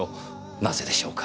なぜでしょうか？